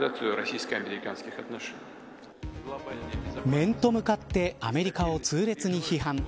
面と向かってアメリカを痛烈に批判。